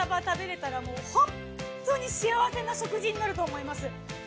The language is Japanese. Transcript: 食べられたらホントに幸せな食事になると思います。